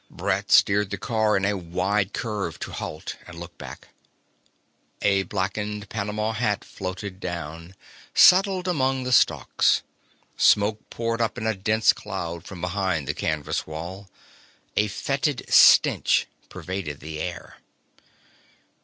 Brett steered the car in a wide curve to halt and look back. A blackened panama hat floated down, settled among the stalks. Smoke poured up in a dense cloud from behind the canvas wall. A fetid stench pervaded the air.